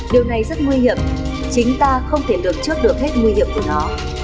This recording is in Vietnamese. điều này rất nguy hiểm chúng ta không thể được trước được hết nguy hiểm của nó